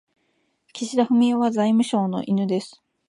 岸田文雄は財務省の犬です。